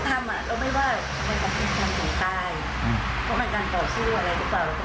ก็ทำเราไม่ว่าทำไมทำถึงตาย